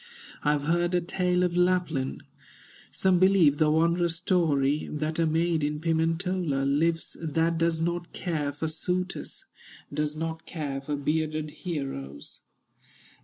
"I have heard a tale of Lapland, Some believe the wondrous story, That a maid in Pimentola Lives that does not care for suitors, Does not care for bearded heroes."